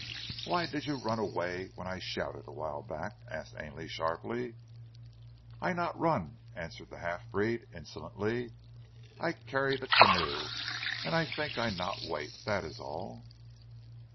"Why did you run away when I shouted a while back?" asked Ainley sharply. "I not run," answered the half breed, insolently. "I carry the canoe, an' I tink I not wait. Dat is all."